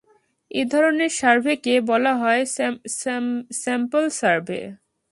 এধরনের সার্ভেকে বলা হয় স্যাম্পল সার্ভে।